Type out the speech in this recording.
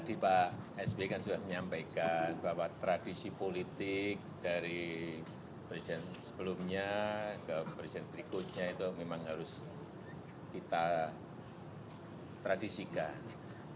tadi pak sby kan sudah menyampaikan bahwa tradisi politik dari presiden sebelumnya ke presiden berikutnya itu memang harus kita tradisikan